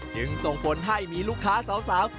จึงส่งผลให้มีลูกค้าสาว